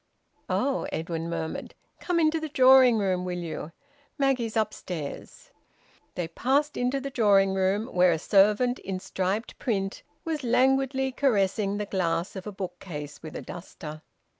"Oh!" Edwin murmured. "Come into the drawing room, will you? Maggie's upstairs." They passed into the drawing room, where a servant in striped print was languidly caressing the glass of a bookcase with a duster.